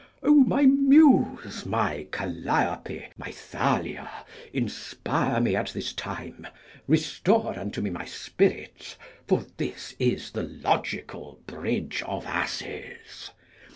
O my Muse, my Calliope, my Thalia, inspire me at this time, restore unto me my spirits; for this is the logical bridge of asses!